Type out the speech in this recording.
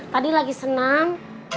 tadi lagi senam